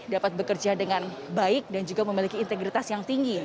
dapat bekerja dengan baik dan juga memiliki integritas yang tinggi